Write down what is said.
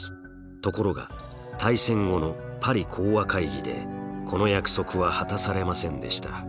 ところが大戦後のパリ講和会議でこの約束は果たされませんでした。